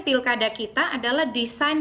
pilkada kita adalah desain